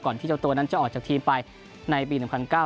ที่เจ้าตัวนั้นจะออกจากทีมไปในปี๑๙